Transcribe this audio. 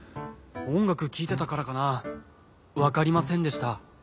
おんがくきいてたからかなわかりませんでした。